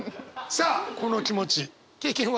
さあこの気持ち経験は？